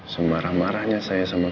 semarah marahnya saya sama kamu